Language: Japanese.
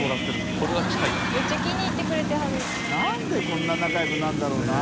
こんな仲良くなるんだろうな。